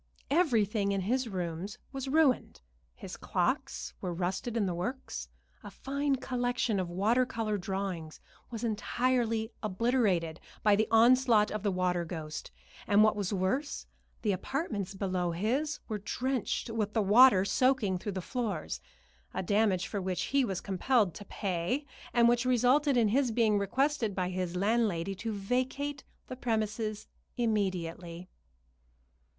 Everything in his rooms was ruined his clocks were rusted in the works; a fine collection of water color drawings was entirely obliterated by the onslaught of the water ghost; and what was worse, the apartments below his were drenched with the water soaking through the floors, a damage for which he was compelled to pay, and which resulted in his being requested by his landlady to vacate the premises immediately.